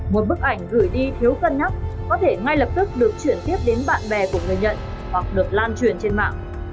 một bức ảnh gửi đi thiếu cân nhắc có thể ngay lập tức được chuyển tiếp đến bạn bè của người nhận hoặc được lan truyền trên mạng